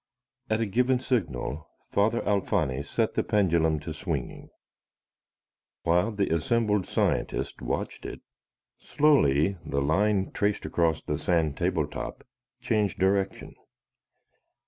At a given signal Father Alfani set the pendulum to swinging. While the assembled scientists watched it, slowly the line traced across the sand table top changed direction.